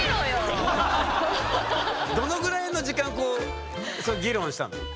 どのぐらいの時間こうそれ議論したの？